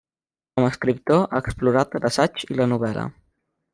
Com a escriptor ha explorat l'assaig i la novel·la.